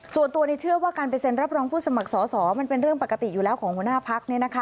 ส่วนตัวเชื่อว่าการไปเซ็นรับรองผู้สมัครสอสอมันเป็นเรื่องปกติอยู่แล้วของหัวหน้าพัก